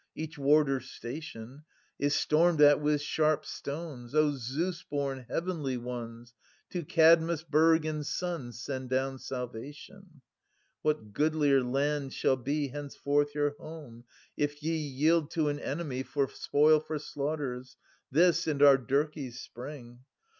Each warder station Is stormed at with sharp stones —. 300 Oh Zeus born Heavenly Ones, To Kadmus' burg and sons Send down salvation ! [Ant. i) What goodlier land shall be Henceforth your home, if ye Yield to an enemy For spoil, for slaughters This, and our Dirk^'s spring